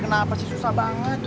kenapa sih susah banget